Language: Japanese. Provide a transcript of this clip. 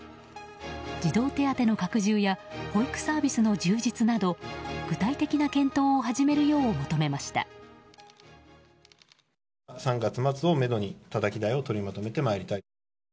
児童手当の拡充や保育サービスの充実など具体的な検討を始めるよう求めました。